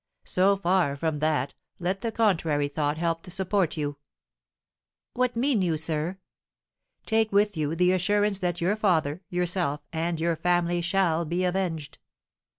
"So far from that, let the contrary thought help to support you." "What mean you, sir?" "Take with you the assurance that your father, yourself, and your family shall be avenged."